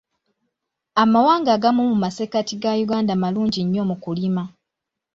Amawanga agamu mu masekkati ga Uganda malungi nnyo mu kulima.